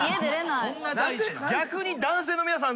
逆に男性の皆さん。